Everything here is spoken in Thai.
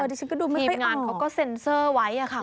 เออดิฉันก็ดูไม่ได้ออกทีมงานเขาก็เซ็นเซอร์ไว้ค่ะคุณ